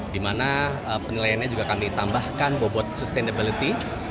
di mana penilaiannya juga akan ditambahkan bobot sustainability